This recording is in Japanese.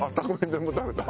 全部食べた。